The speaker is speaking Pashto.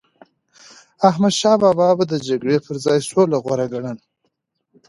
احمدشاه بابا به د جګړی پر ځای سوله غوره ګڼله.